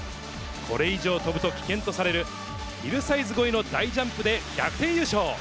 これ以上跳ぶと危険とされる、ヒルサイズ超えの大ジャンプで逆転優勝。